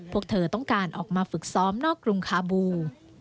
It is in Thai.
พวกเธอต้องการออกมาฝึกซ้อมนอกกรุงคาบู